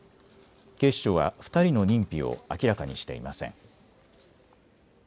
警視庁は２人の認否を明らかにしていません。